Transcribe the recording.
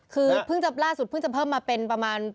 คือเพิ่งจะล่าสุดเพิ่งจะเพิ่มมาเป็นประมาณ